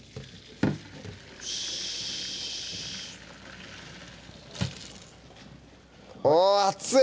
よしおぉ熱い！